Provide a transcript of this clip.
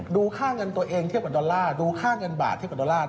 ดูค่าเงินตัวเองเทียบกับดอลลาร์ดูค่าเงินบาทเทียบกับดอลลาร์